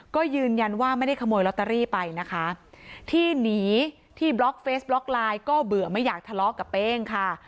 ก็ยืนยันว่าไม่ได้ขโมยลอตเตอรี่ไปนะคะที่หนีที่บล็อกเฟสบล็อกไลน์ก็เบื่อไม่อยากทะเลาะกับเป้งค่ะ